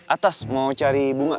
atas mau cari bunga